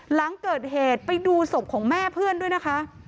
หลังเกิดเหตุไปดูศพของแม่เพื่อนด้วยนะคะ